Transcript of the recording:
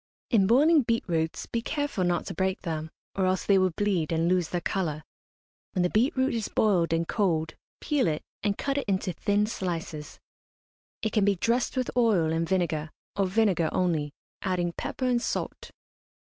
In boiling beet roots be careful not to break them, or else they will bleed and lose their colour. When the beet root is boiled and cold, peel it, and cut it into thin slices. It can be dressed with oil and vinegar, or vinegar only, adding pepper and salt.